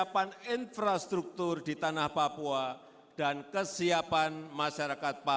para atlet dan kontingen peserta